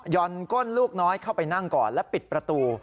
่อนก้นลูกน้อยเข้าไปนั่งก่อนและปิดประตู